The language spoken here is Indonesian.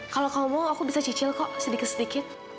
kalau kamu mau aku bisa cicil kok sedikit sedikit